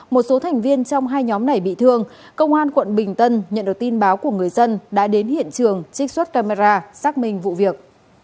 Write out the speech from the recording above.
một số thành viên trong hai nhóm này bị thương công an quận bình tân nhận được tin báo của người dân đã đến hiện trường trích xuất camera xác minh vụ việc